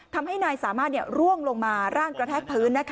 ทำให้นายสามารถร่วงลงมาร่างกระแทกพื้น